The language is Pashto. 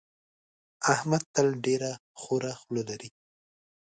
احمد تل ډېره خوره خوله لري.